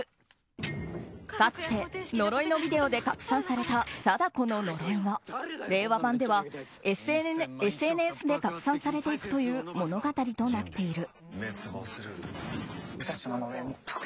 かつて呪いのビデオで拡散された貞子の呪いは令和版ではＳＮＳで拡散されていくという物語となっている。